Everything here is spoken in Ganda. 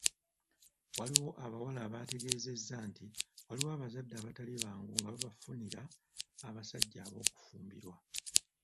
Waliwo abawala abaategeezezza nti waliwo abazadde abatali bangu nga babafunira abasajja ab’okufumbirwa.